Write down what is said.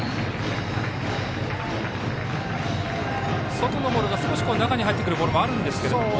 外のボールが少し中に入ってくるボールもあるんですけれども。